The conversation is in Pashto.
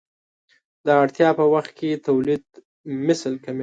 د اړتیا په وخت کې تولیدمثل کمېده.